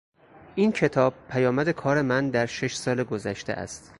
این کتاب پیامد کار من در شش سال گذشته است.